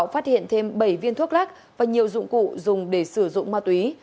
phát hiện thêm bảy viên thuốc lắc và nhiều dụng cụ dùng để sử dụng ma túy